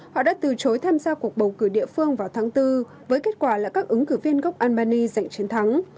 họ đã từ chối tham gia cuộc bầu cử địa phương vào tháng bốn với kết quả là các ứng cử viên gốc almani giành chiến thắng